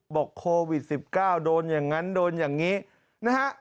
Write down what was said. บอกโควิด๑๙โดนอย่างนั้นโดนอย่างนี้นะฮะ